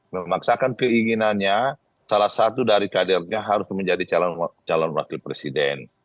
memaksakan keinginannya salah satu dari kadernya harus menjadi calon wakil presiden